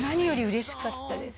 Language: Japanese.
嬉しかったです。